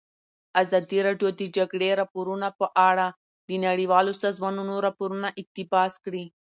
ازادي راډیو د د جګړې راپورونه په اړه د نړیوالو سازمانونو راپورونه اقتباس کړي.